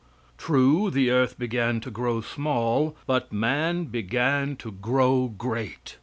True, the earth began to grow small, but man began to grow great.